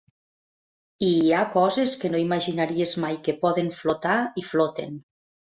I hi ha coses que no imaginaries mai que poden flotar, i floten.